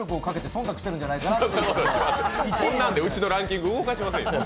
そんなんで、うちのランキング、動かしませんよ。